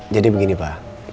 jadi begini pa